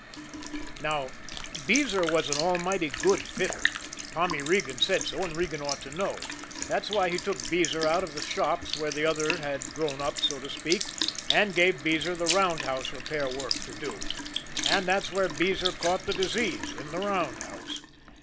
Now Beezer was an almighty good fitter. Tommy Regan said so, and Regan ought to know; that's why he took Beezer out of the shops where the other had grown up, so to speak, and gave Beezer the roundhouse repair work to do. And that's where Beezer caught the disease in the roundhouse.